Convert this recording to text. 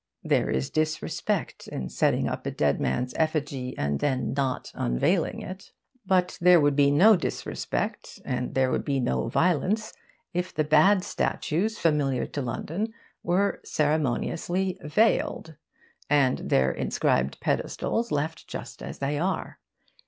There is disrespect in setting up a dead man's effigy and then not unveiling it. But there would be no disrespect, and there would be no violence, if the bad statues familiar to London were ceremoniously veiled, and their inscribed pedestals left just as they are.